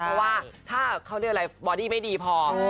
เพราะว่าถ้าเขาเรียกอะไรบอดี้ไม่ดีพอ